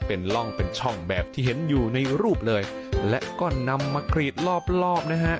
เป็นร่องเป็นช่องแบบที่เห็นอยู่ในรูปเลยและก็นำมากรีดรอบนะฮะ